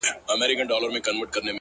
نسه ـ نسه يو داسې بله هم سته